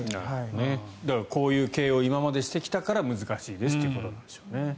こういう経営を今までしてきたから難しいですということなんでしょうね。